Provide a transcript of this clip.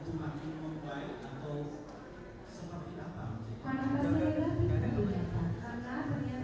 kemudian ketika selesai menjalani pekerjaan